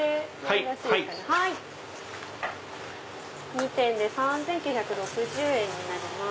２点で３９６０円になります。